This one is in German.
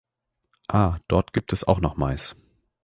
Ah, dort gibt es auch noch Mais.